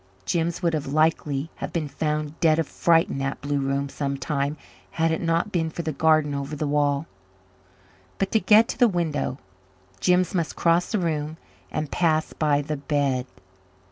Jims would have likely have been found dead of fright in that blue room some time had it not been for the garden over the wall. But to get to the window Jims must cross the room and pass by the bed.